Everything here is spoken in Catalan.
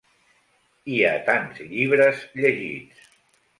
I a tants llibres llegits.